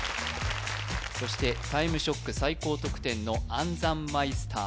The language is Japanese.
そして「タイムショック」最高得点の暗算マイスター